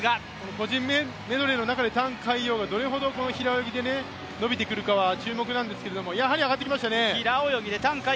個人メドレーの中で覃海洋がどれほど平泳ぎで伸びてくるか注目なんですけどやはり上がってきましたね。